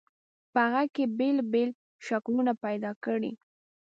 په هغې کې بېل بېل شکلونه پیدا کړئ.